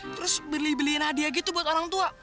terus beli beliin hadiah gitu buat orang tua